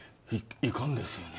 いかんですよね